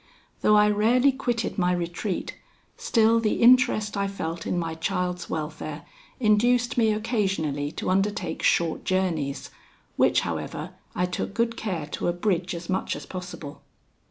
Though I rarely quitted my retreat, still the interest I felt in my child's welfare induced me occasionally to undertake short journeys, which, however, I took good care to abridge as much as possible.